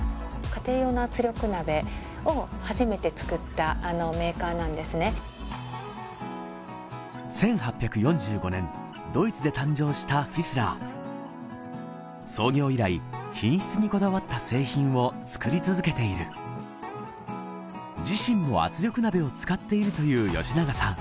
家庭用の圧力鍋を初めて作ったメーカーなんですね１８４５年ドイツで誕生したフィスラー創業以来品質にこだわった製品を作り続けている自身も圧力鍋を使っているという吉永さん